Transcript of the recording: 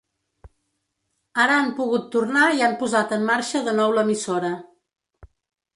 Ara han pogut tornar i han posat en marxa de nou l’emissora.